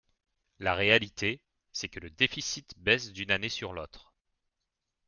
La réalité, c’est que le déficit baisse d’une année sur l’autre.